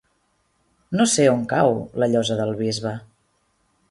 No sé on cau la Llosa del Bisbe.